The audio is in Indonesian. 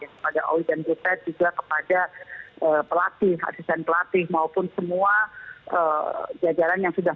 kepada owi dan butet juga kepada pelatih asisten pelatih maupun semua jajaran yang sudah